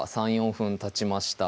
３４分たちました